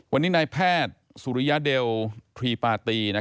วันนี้นายแพทย์สุริยเดลพรีปาตี